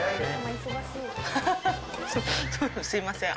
すみません。